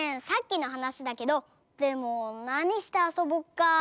さっきのはなしだけどでもなにしてあそぼっか。